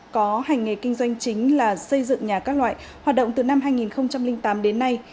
có hành nghề kinh doanh chính là xây dựng nhà các loại hoạt động từ năm hai nghìn tám đến nay